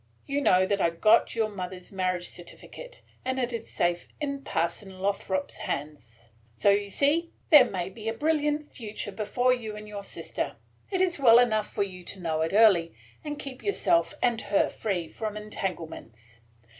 You know that I got your mother's marriage certificate, and it is safe in Parson Lothrop's hands. So you see there may be a brilliant future before you and your sister. It is well enough for you to know it early, and keep yourself and her free from entanglements.